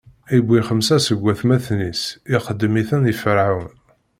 iwwi xemsa seg watmaten-is, iqeddem-iten i Ferɛun.